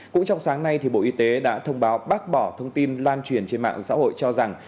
cũng trong sáng nay bộ y tế đã thông báo bác bỏ thông tin lan truyền trên mạng xã hội cho rằng